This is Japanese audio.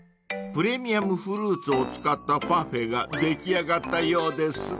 ［プレミアムフルーツを使ったパフェが出来上がったようです］